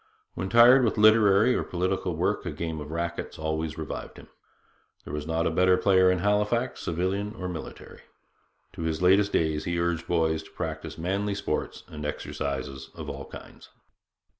When tired with literary or political work, a game of rackets always revived him. There was not a better player in Halifax, civilian or military. To his latest days he urged boys to practise manly sports and exercises of all kinds.